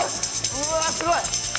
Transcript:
うわっすごい！